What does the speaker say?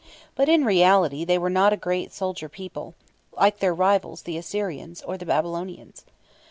But in reality they were not a great soldier people, like their rivals the Assyrians, or the Babylonians.